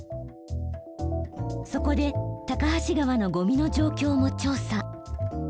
そこで高梁川のゴミの状況も調査。